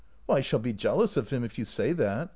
" I shall be jealous of him if you say that.